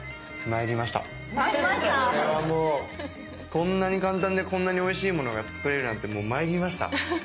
こうはもうこんなに簡単でこんなにおいしいものが作れるなんてもう参りました。